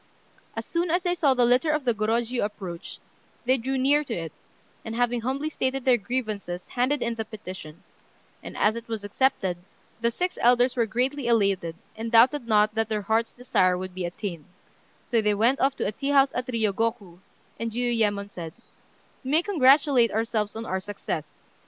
As soon as they saw the litter of the Gorôjiu approach, they drew near to it, and, having humbly stated their grievances, handed in the petition; and as it was accepted, the six elders were greatly elated, and doubted not that their hearts' desire would be attained; so they went off to a tea house at Riyôgoku, and Jiuyémon said "We may congratulate ourselves on our success.